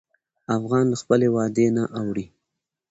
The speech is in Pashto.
افغان له خپل وعدې نه اوړي.